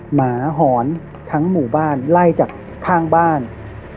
หมาหอนทั้งหมู่บ้านไล่จากข้างบ้าน